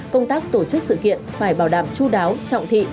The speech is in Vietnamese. công tác tổ chức sự kiện phải bảo đảm chú đáo trọng thị